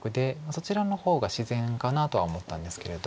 そちらの方が自然かなとは思ったんですけれど。